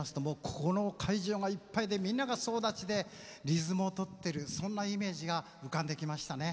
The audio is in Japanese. この会場が一体でみんなが総立ちでいつも踊っている、そんなイメージが浮かんできましたね。